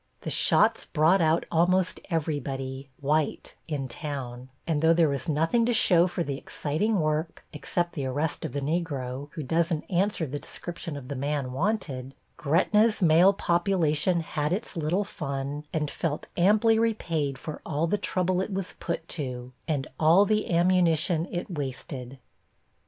The shots brought out almost everybody white in town, and though there was nothing to show for the exciting work, except the arrest of the Negro, who doesn't answer the description of the man wanted, Gretna's male population had its little fan and felt amply repaid for all the trouble it was put to, and all the ammunition it wasted.